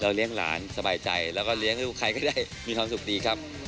เลี้ยงหลานสบายใจแล้วก็เลี้ยงลูกใครก็ได้มีความสุขดีครับ